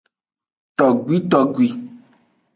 Togbitogbi.